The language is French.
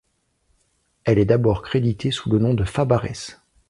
Elle est d'abord créditée sous le nom de Fabares.